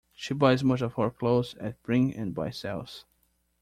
She buys most of her clothes at Bring and Buy sales